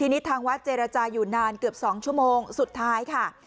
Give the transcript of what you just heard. ทีนี้ทางวัดเจรจาอยู่นานเกือบ๒ชั่วโมงสุดท้ายค่ะ